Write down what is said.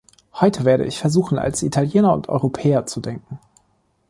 Heute werde ich versuchen, als Italiener und Europäer zu denken.